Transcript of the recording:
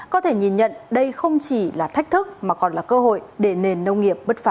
có thể nhìn nhận đây không chỉ là thách thức mà còn là cơ hội để nền nông nghiệp bứt phá